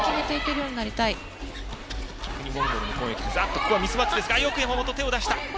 ここはミスマッチですがよく山本、手を出した。